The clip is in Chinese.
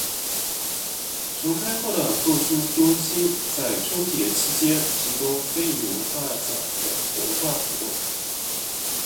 重开后的购书中心在春节期间提供非遗文化展等文化活动。